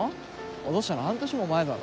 落としたの半年も前だろ。